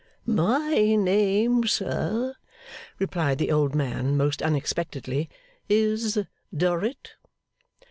'My name, sir,' replied the old man most unexpectedly, 'is Dorrit.